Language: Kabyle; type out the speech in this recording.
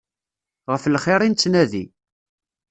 Ɣef lxir i nettnadi.